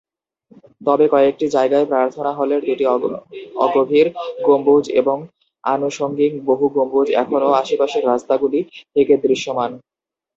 তবে কয়েকটি জায়গায় প্রার্থনা হলের দুটি অগভীর গম্বুজ এবং আনুষঙ্গিক বহু গম্বুজ এখনও আশেপাশের রাস্তাগুলি থেকে দৃশ্যমান।